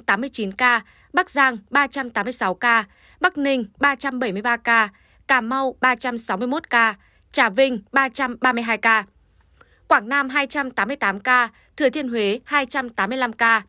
bình phước bốn trăm sáu mươi hai ca quảng ninh ba trăm tám mươi chín ca bắc giang ba trăm tám mươi sáu ca bắc ninh ba trăm bảy mươi ba ca cà mau ba trăm sáu mươi một ca trà vinh ba trăm ba mươi hai ca quảng nam hai trăm tám mươi tám ca thừa thiên huế hai trăm tám mươi năm ca